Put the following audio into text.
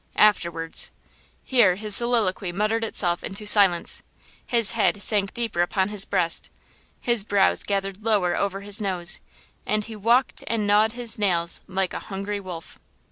Afterwards!–" Here his soliloquy muttered itself into silence, his head sank deeper upon his breast, his brows gathered lower over his nose and he walked and gnawed his nails like a hungry wolf.